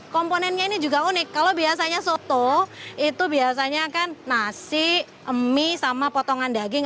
komponennya ini juga unik kalau biasanya soto itu biasanya kan nasi mie sama potongan daging